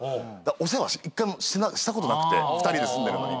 お世話１回もしたことなくて２人で住んでるのに。